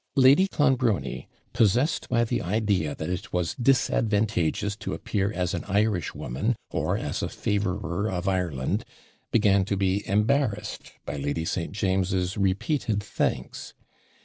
Lady Clonbrony, possessed by the idea that it was disadvantageous to appear as an Irishwoman, or as a favourer of Ireland, began to be embarrassed by Lady St. James's repeated thanks.